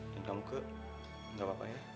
dan kamu kek gapapa ya